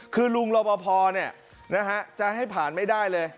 คือลุงรบพอจะให้ผ่านไม่ได้เลย